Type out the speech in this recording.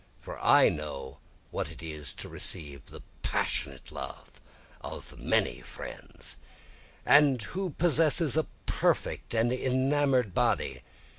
for I know what it is to receive the passionate love of many friends, And who possesses a perfect and enamour'd body?